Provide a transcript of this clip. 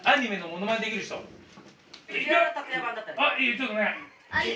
ちょっとねえ。